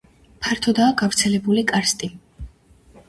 ფართოდაა გავრცელებული კარსტი.